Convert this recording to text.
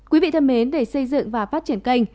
quý vị thân mến để xây dựng và phát triển kênh